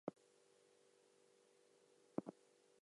The river's landscape is now dominated by mature gravel pit lakes.